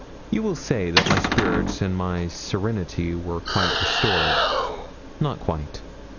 You will say then that my spirits and my serenity were quite restored. Not quite.